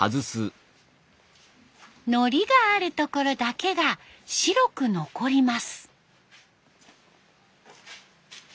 のりがあるところだけが白く残ります。